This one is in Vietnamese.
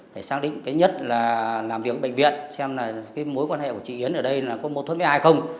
để xác định cái nhất là làm việc ở bệnh viện xem mối quan hệ của chị yến ở đây có mâu thuẫn với ai không